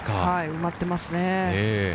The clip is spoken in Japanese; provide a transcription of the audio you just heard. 埋まってますね。